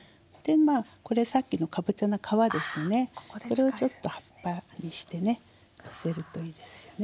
これをちょっと葉っぱにしてねのせるといいですよね。